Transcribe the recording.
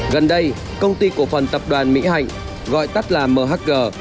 gần đây công ty cổ phần tập đoàn mỹ hạnh gọi tắt là mhg